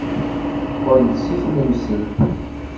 Teqqel-d seg tnemselt.